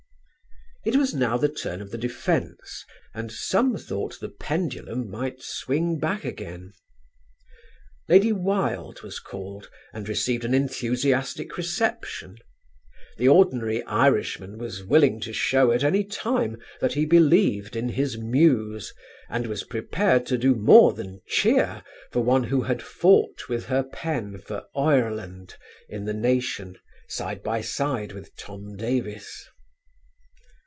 It was now the turn of the defence, and some thought the pendulum might swing back again. Lady Wilde was called and received an enthusiastic reception. The ordinary Irishman was willing to show at any time that he believed in his Muse, and was prepared to do more than cheer for one who had fought with her pen for "Oireland" in the Nation side by side with Tom Davis.